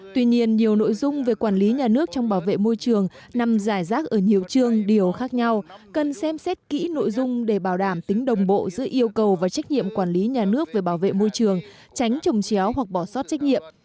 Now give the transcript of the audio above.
tuy nhiên nhiều nội dung về quản lý nhà nước trong bảo vệ môi trường nằm giải rác ở nhiều trường điều khác nhau cần xem xét kỹ nội dung để bảo đảm tính đồng bộ giữa yêu cầu và trách nhiệm quản lý nhà nước về bảo vệ môi trường tránh trồng chéo hoặc bỏ sót trách nhiệm